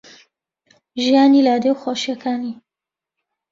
ژیانی لادێ و خۆشییەکانی